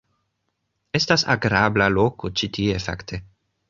- Estas agrabla loko ĉi tie, fakte.